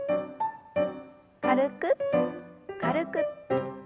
軽く軽く。